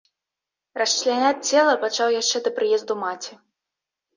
Расчляняць цела пачаў яшчэ да прыезду маці.